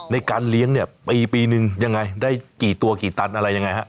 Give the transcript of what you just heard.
ในการเลี้ยงเนี่ยปีนึงยังไงได้กี่ตัวกี่ตันอะไรยังไงฮะ